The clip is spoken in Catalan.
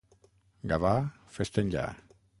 Gavà, fes-te enllà.